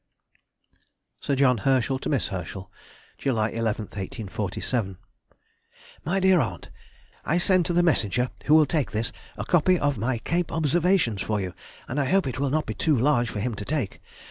SIR JOHN HERSCHEL TO MISS HERSCHEL. July 11, 1847. MY DEAR AUNT,— I send to the messenger who will take this, a copy of my "Cape Observations" for you, and I hope it will not be too large for him to take.